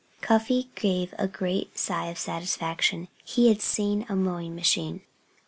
Cuffy gave a great sigh of satisfaction. He had seen a mowing machine.